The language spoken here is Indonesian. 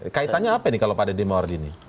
kaitannya apa nih kalau pak deddy mawardi ini